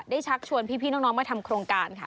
ชักชวนพี่น้องมาทำโครงการค่ะ